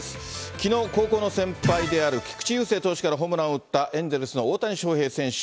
きのう、高校の先輩である菊池雄星投手からホームランを打ったエンゼルスの大谷翔平選手。